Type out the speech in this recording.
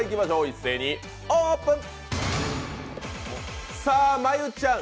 一斉にオープン！